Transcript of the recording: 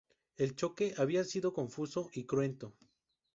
El choque había sido confuso y cruento.